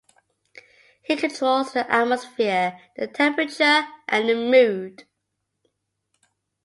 He controls the atmosphere, the temperature, and the mood.